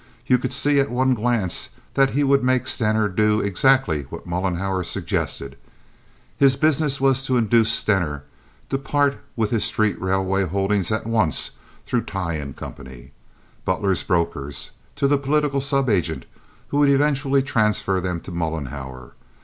You could see at one glance that he would make Stener do exactly what Mollenhauer suggested. His business was to induce Stener to part with his street railway holdings at once through Tighe & Co., Butler's brokers, to the political sub agent who would eventually transfer them to Mollenhauer.